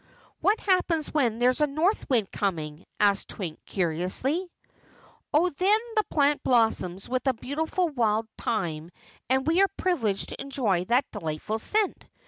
"What happens when there's a north wind coming?" asked Twink curiously. "Oh, then the plant blossoms with a beautiful wild thyme and we are privileged to enjoy that delightful scent.